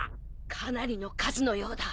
かなりの数のようだ。